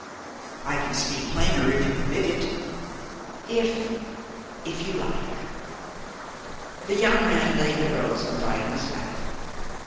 "I can speak plainer if you permit it." "If if you like!" The young man laid the rose on Diana's lap.